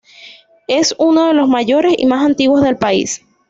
Es uno de los mayores y más antiguos del país.